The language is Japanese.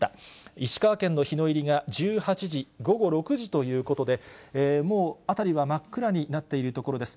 石川県の日の入りが１８時、午後６時ということで、もう辺りは真っ暗になっているところです。